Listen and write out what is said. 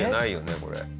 これ。